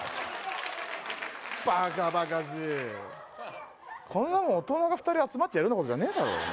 バカバカしいこんなもん大人が２人集まってやるようなことじゃねえだろ